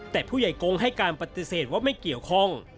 แต่ผู้ใหญ่กงให้การปฏิเสธว่าไม่เกี่ยวข้อง